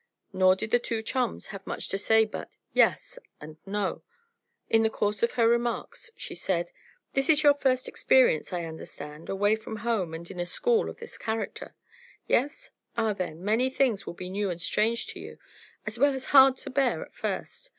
Nor did the two chums have much to say but "Yes" and "No." In the course of her remarks she said: "This is your first experience, I understand, away from home and in a school of this character? Yes? Ah, then, many things will be new and strange to you, as well as hard to bear at first.